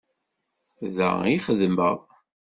Da i xeddmeɣ.